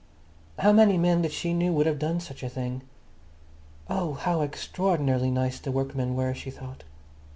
How many men that she knew would have done such a thing? Oh, how extraordinarily nice workmen were, she thought.